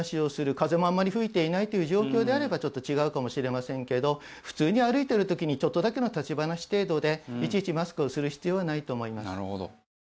風もあんまり吹いていないという状況であればちょっと違うかもしれませんけど普通に歩いてる時にちょっとだけの立ち話程度でいちいちマスクをする必要はないと思います。